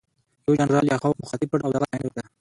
یو جنرال لیاخوف مخاطب کړ او د هغه ستاینه یې وکړه